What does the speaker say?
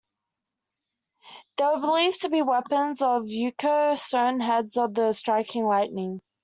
They were believed to be weapons of Ukko, stone heads of the striking lightning.